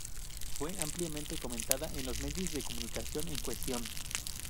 Fue ampliamente comentada en los medios de comunicación en cuestión.